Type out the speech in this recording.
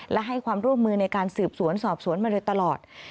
และให้ความร่วมมือในการสืบสวนสอบสวนมาโดยตลอด